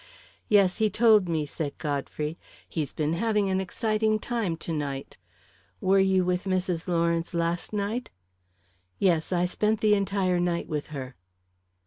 "Yes, he told me," said Godfrey. "He's been having an exciting time to night. Were you with Mrs. Lawrence last night?" "Yes; I spent the entire night with her."